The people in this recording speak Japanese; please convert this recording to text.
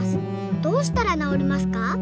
どうしたらなおりますか？」。